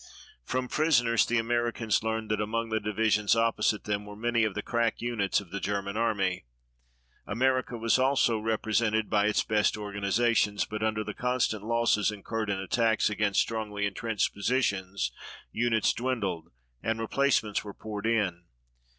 From prisoners the Americans learned that among the divisions opposite them were many of the crack units of the German Army. America was also represented by its best organizations, but under the constant losses incurred in attacks against strongly intrenched positions units dwindled, and replacements were poured in.